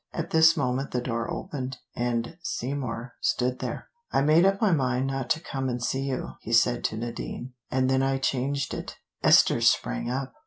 At this moment the door opened, and Seymour stood there. "I made up my mind not to come and see you," he said to Nadine, "and then I changed it." Esther sprang up.